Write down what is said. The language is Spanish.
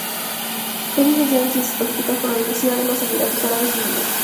Es licenciado en ciencias políticas por la Universidad de los Emiratos Árabes Unidos.